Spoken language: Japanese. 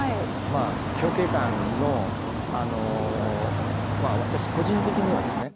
まあ表慶館の私個人的にはですね